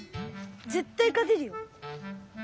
ぜったいかてるよ！